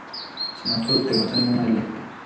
سناتور تېروتنې ومنلې.